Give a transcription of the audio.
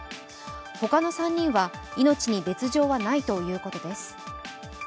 他の３人は命に別状はないということです。